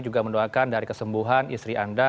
juga mendoakan dari kesembuhan istri anda